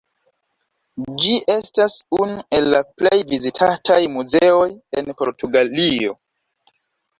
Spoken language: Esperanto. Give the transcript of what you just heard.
Ĝi estas unu el la plej vizitataj muzeoj en Portugalio.